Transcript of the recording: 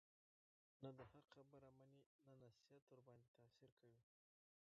نه د حق خبره مني، نه نصيحت ورباندي تأثير كوي،